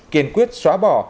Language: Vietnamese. kiên quyết xóa bỏ